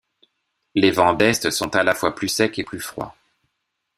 Les vents d'est sont à la fois plus secs et plus froids.